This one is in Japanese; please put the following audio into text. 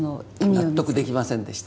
納得できませんでした。